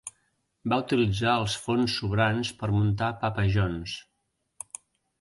Va utilitzar els fons sobrants per muntar Papa John's.